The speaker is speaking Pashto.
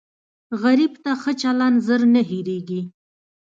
غریب ته ښه چلند زر نه هېریږي